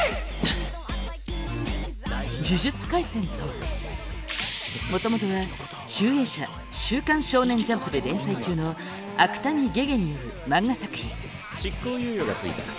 「呪術廻戦」とはもともとは「集英社」「週刊少年ジャンプ」で連載中の芥見下々による漫画作品執行猶予が付いた。